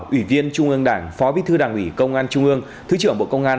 ủy viên trung ương đảng phó bí thư đảng ủy công an trung ương thứ trưởng bộ công an